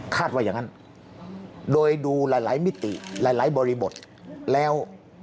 ว่าอย่างนั้นโดยดูหลายมิติหลายบริบทแล้ว